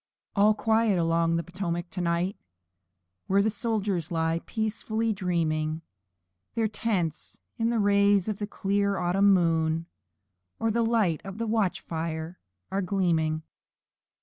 All quiet along the Potomac to night! Where soldiers lie peacefully dreaming; And their tents in the rays of the clear autumn moon, And the light of their camp fires are gleaming.